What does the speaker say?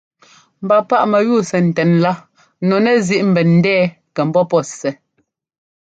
Mba páꞌ mɛyúu sɛ ńtɛn lá nu nɛzíꞌ ḿbɛn ńdɛɛ kɛ ḿbɔ́ pɔ́ sɛ́.